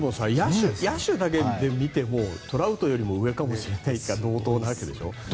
野手だけで見てもトラウトよりも上かもしれないか同等なわけでしょ？